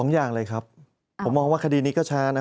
อย่างเลยครับผมมองว่าคดีนี้ก็ช้านะ